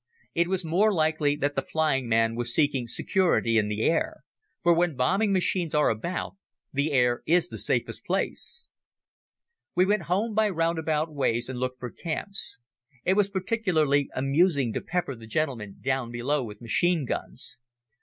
It was more likely that the flying man was seeking security in the air, for when bombing machines are about, the air is the safest place. We went home by roundabout ways and looked for camps. It was particularly amusing to pepper the gentlemen down below with machine guns.